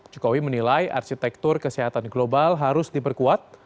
jokowi menilai arsitektur kesehatan global harus diperkuat